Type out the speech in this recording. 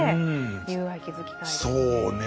友愛築きたいですね。